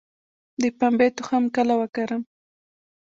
د پنبې تخم کله وکرم؟